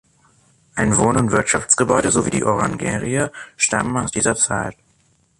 Ein Wohn- und Wirtschaftsgebäude sowie die Orangerie stammen aus dieser Zeit.